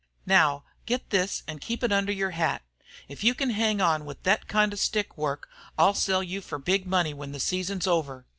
Now get this an' keep it under your hat. If you can hang on with thet kind of stick work I'll sell you for big money when the season's over.